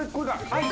はい。